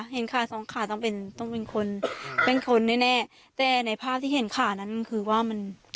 เห็นขาสองขาต้องเป็นต้องเป็นคนเป็นคนแน่แน่แต่ในภาพที่เห็นขานั้นคือว่ามัน